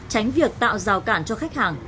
tránh việc tạo rào cản cho khách hàng